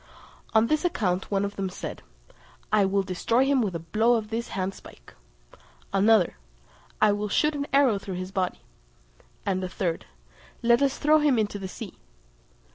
On this account one of them said, "I will destroy him with a blow of this handspike;" another, "I will shoot an arrow through his body;" and a third, "Let us throw him into the sea."